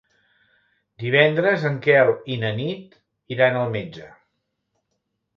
Divendres en Quel i na Nit iran al metge.